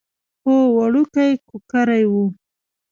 هو وړوکی کوکری و.